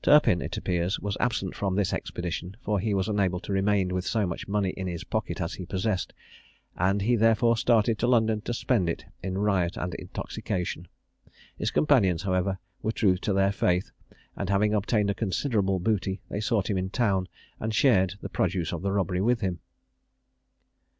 Turpin, it appears, was absent from this expedition, for he was unable to remain with so much money in his pocket as he possessed, and he therefore started to London to spend it in riot and intoxication. His companions, however, were true to their faith, and having obtained a considerable booty, they sought him in town and shared the produce of the robbery with him.